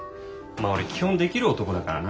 まあ俺基本できる男だからな。